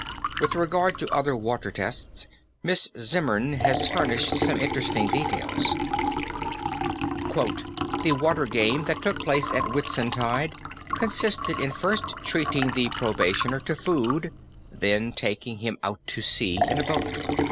With regard to other water tests Miss Zimmern has furnished some interesting details: "The 'water' game that took place at Whitsuntide consisted in first treating the probationer to food, and then taking him out to sea in a boat.